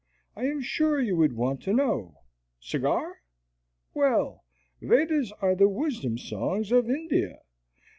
I was sure you would want to know Cigar? Well, Vedas are the wisdom songs of India.